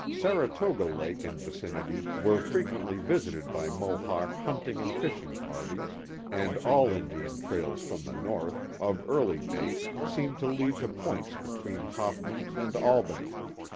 Saratoga Lake and vicinity were frequently visited by Mohawk hunting and fishing parties, and all Indian trails from the north, of early date, seem to lead to points between Hoffmans and Albany.